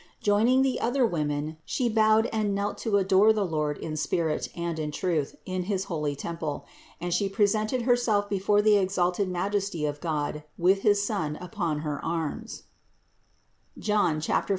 Joining the other women, She bowed and knelt to adore the Lord in spirit and in truth in his holy temple and She presented Her self before the exalted Majesty of God with his Son upon her arms (John 4, 23).